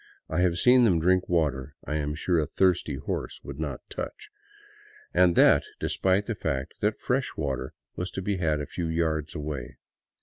I have seen them drink water I am sure a thirsty horse would not touch, and that despite the fact that fresh water was to be had a few yards away.